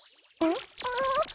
ん？